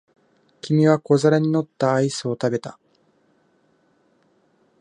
君は小皿に乗ったアイスを食べた。